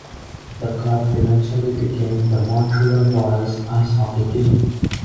The club eventually became the Montreal Royals ice hockey team.